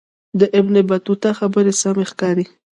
د ابن بطوطه خبرې سمې ښکاري.